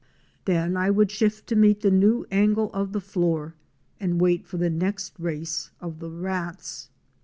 Then I would shift to meet the new angle of the floor and wait for the next race of the rats.